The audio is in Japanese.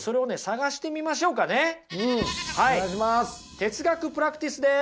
哲学プラクティスです。